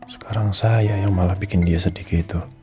sekarang saya yang malah bikin dia sedih gitu